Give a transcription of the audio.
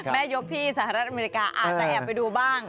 แม่ยกที่สหรัฐอเมริกาอาจจะแอบไปดูบ้าง